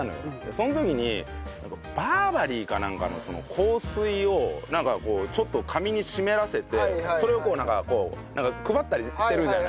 その時にバーバリーかなんかの香水をなんかこうちょっと紙に湿らせてそれを配ったりしてるじゃない。